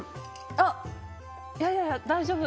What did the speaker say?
あっいやいや大丈夫。